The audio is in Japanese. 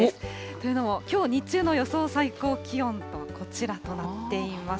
というのもきょう日中の予想最高気温、こちらとなっています。